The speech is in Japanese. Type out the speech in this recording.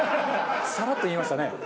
サラッと言いましたね。